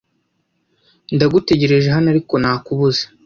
ndagutegereje hano ariko nakubuze